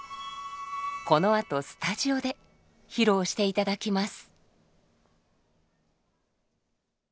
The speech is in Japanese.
この後スタジオで披露していただきます！